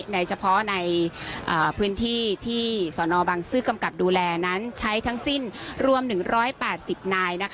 โดยเฉพาะในพื้นที่ที่สนบังซื้อกำกับดูแลนั้นใช้ทั้งสิ้นรวม๑๘๐นาย